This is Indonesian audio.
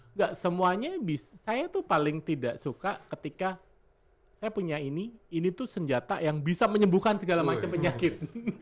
enggak semuanya saya tuh paling tidak suka ketika saya punya ini ini tuh senjata yang bisa menyembuhkan segala macam penyakit